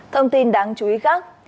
thông tin đáng chú ý khác